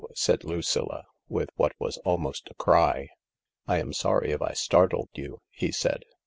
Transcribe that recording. said Lucilla, with what was almost a cry. " I am sorry if I startled you," he said.